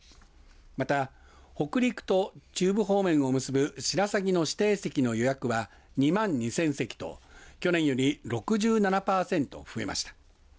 また、北陸と中部方面を結ぶしらさぎの指定席の予約は２万２０００席と去年より６７パーセント増えました。